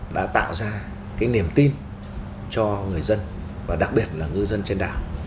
đã tạo ra niềm tin cho người dân và đặc biệt là ngư dân trên đảo